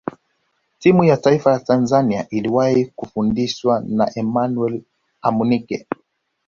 timu ya taifa ya tanzania iliwahi kufundishwa na emmanuel amunike